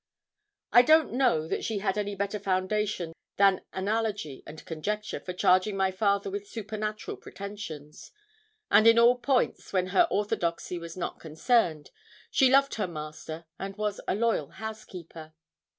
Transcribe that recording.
I don't know that she had any better foundation than analogy and conjecture for charging my father with supernatural pretensions; and in all points when her orthodoxy was not concerned, she loved her master and was a loyal housekeeper.